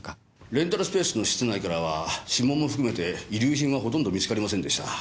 レンタルスペースの室内からは指紋も含めて遺留品はほとんど見つかりませんでしたが。